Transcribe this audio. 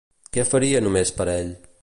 Què faria només per ell?